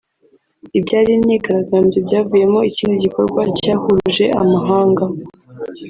Ibyari imyigaragambyo byavuyemo ikindi gikorwa cyahuruje amahanga